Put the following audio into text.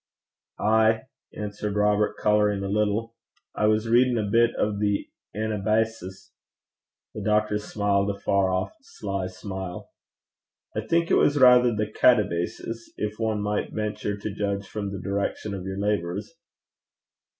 'Ay,' answered Robert, colouring a little; 'I was readin' a bit o' the Anabasis.' The doctor smiled a far off sly smile. 'I think it was rather the Katabasis, if one might venture to judge from the direction of your labours.'